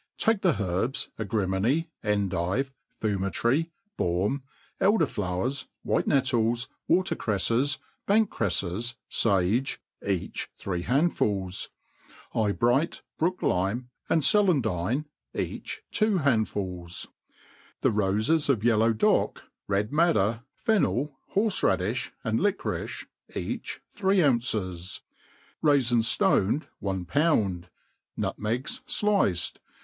* Take the herbs agrimohy, endive, fumitory, bauto, el der flowers, white nettles, water creffes, bank creffes, fag^, each three handfub; eye bright, brook lime, and c«elahdihe, each two handfuls ; the rofes of yellbw dock, red madder, fennel, jiorfe radiih, and Uquorice, each three ounces; raifins ftoned one pound, nutmegs fliced.